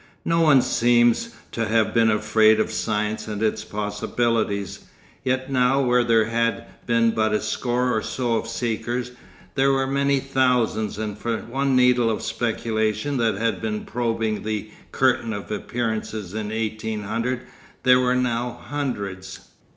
No one seems to have been afraid of science and its possibilities. Yet now where there had been but a score or so of seekers, there were many thousands, and for one needle of speculation that had been probing the curtain of appearances in 1800, there were now hundreds.